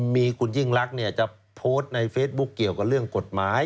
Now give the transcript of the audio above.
มีคุณยิ่งรักจะโพสต์ในเฟซบุ๊คเกี่ยวกับเรื่องกฎหมาย